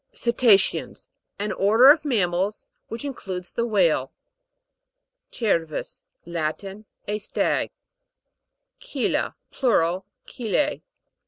CETA'CEANS. An order of mammals, which includes the whale. CER'VUS, Latin. A stag, CHELA. Plural, chelee.